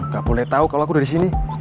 gak boleh tahu kalau aku udah di sini